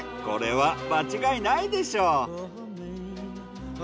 これは間違いないでしょう。